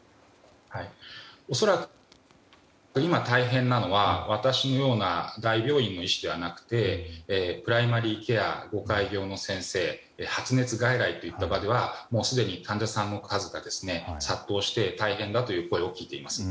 恐らく今大変なのは私のような大病院の医師ではなくてプライマリーケアご開業の先生発熱外来といった場ではすでに患者さんの数が殺到して大変だという声を聞いています。